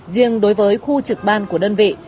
riêng đối với khu trực ban của đơn vị